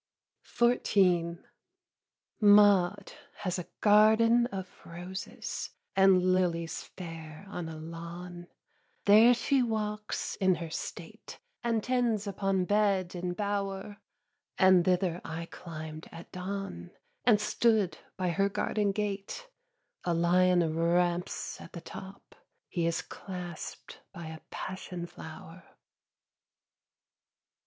XIV. 1. Maud has a garden of roses And lilies fair on a lawn: There she walks in her state And tends upon bed and bower And thither I climb'd at dawn And stood by her garden gate; A lion ramps at the top, He is claspt by a passion flower.